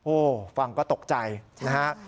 โอ้ฟังก็ตกใจนะครับ